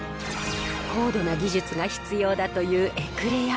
高度な技術が必要だというエクレア。